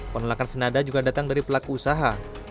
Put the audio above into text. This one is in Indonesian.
penolakan senada juga datang dari pelaku usaha